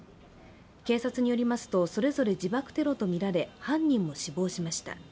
警察によりますと、それぞれ自爆テロとみられ、犯人も死亡しました。